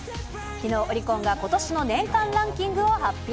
きのう、オリコンがことしの年間ランキングを発表。